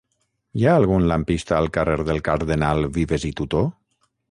Hi ha algun lampista al carrer del Cardenal Vives i Tutó?